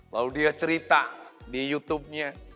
lalu dia cerita di youtubenya